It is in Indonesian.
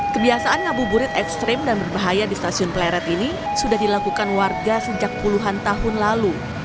kebiasaan ngabuburit ekstrim dan berbahaya di stasiun pleret ini sudah dilakukan warga sejak puluhan tahun lalu